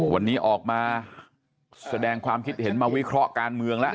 วันนี้ออกมาแสดงความคิดเห็นมาวิเคราะห์การเมืองแล้ว